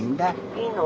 いいの？